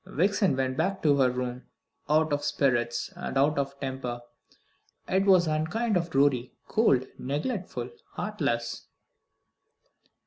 Vixen went back to her room, out of spirits and out of temper. It was unkind of Rorie, cold, neglectful, heartless.